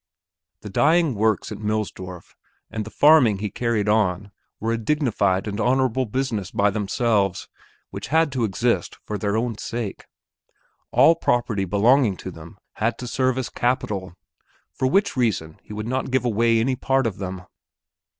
The dyeing works in Millsdorf and the farming he carried on were a dignified and honorable business by themselves which had to exist for their own sake. All property belonging to them had to serve as capital, for which reason he would not give away any part of them.